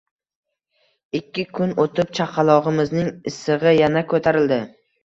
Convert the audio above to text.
Ikki kun o`tib, chaqalog`imizning issig`i yana ko`tarildi